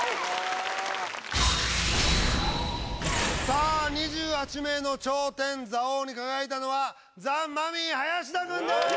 さあ２８名の頂点座王に輝いたのはザ・マミィ林田君です。